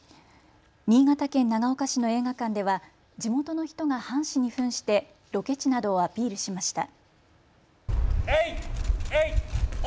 新潟県長岡市の映画館では地元の人が藩士にふんしてロケ地などをアピールしました。